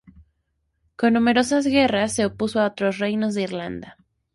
Con numerosas guerras, se opuso a otros reinos de Irlanda.